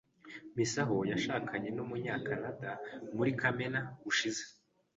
Misaho yashakanye numunyakanada muri kamena gushize.